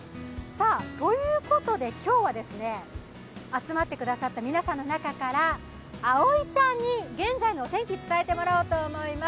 ということで今日は集まってくださった皆さんの中からあおいちゃんに現在のお天気を伝えてもらいたいと思います。